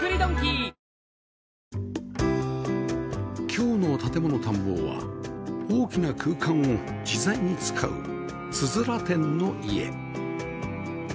今日の『建もの探訪』は大きな空間を自在に使う「つづら店」の家